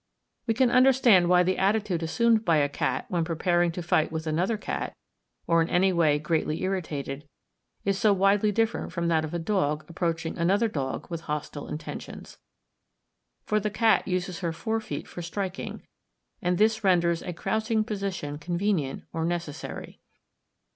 We can understand why the attitude assumed by a cat when preparing to fight with another cat, or in any way greatly irritated, is so widely different from that of a dog approaching another dog with hostile intentions; for the cat uses her fore feet for striking, and this renders a crouching position convenient or necessary.